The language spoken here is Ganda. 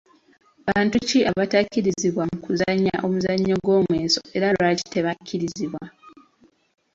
Bantu ki abatakkirizibwa mu kuzannya omuzannyo gw’omweso era lwaki tebakkirizibwa?